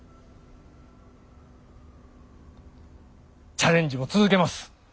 チャレンジも続けます。